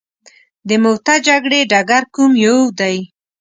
د موته جګړې ډګر کوم یو دی.